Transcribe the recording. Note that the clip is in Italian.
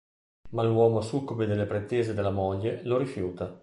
Ma l'uomo, succube delle pretese della moglie, lo rifiuta.